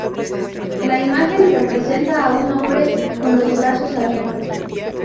La imagen representa a un hombre con los brazos abiertos.